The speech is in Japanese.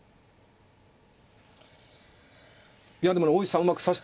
いやでもね大石さんうまく指してるんじゃ。